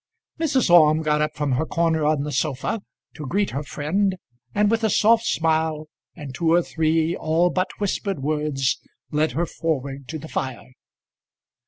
Mrs. Orme got up from her corner on the sofa to greet her friend, and with a soft smile and two or three all but whispered words led her forward to the fire.